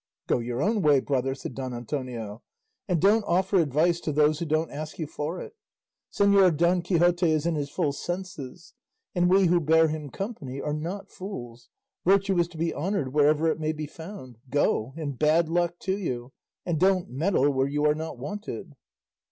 "Go your own way, brother," said Don Antonio, "and don't offer advice to those who don't ask you for it. Señor Don Quixote is in his full senses, and we who bear him company are not fools; virtue is to be honoured wherever it may be found; go, and bad luck to you, and don't meddle where you are not wanted."